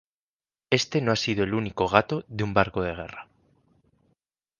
Este no ha sido el único gato de un barco de guerra.